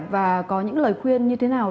và có những lời khuyên như thế nào